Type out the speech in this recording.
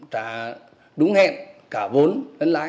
trả đúng hẹn cả vốn